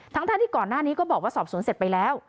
ทั้งที่ก่อนหน้านี้ก็บอกว่าสอบสวนเสร็จไปแล้ว